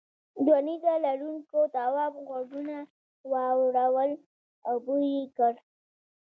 دوو نیزه لرونکو تواب غوږونه واړول او بوی یې کړ.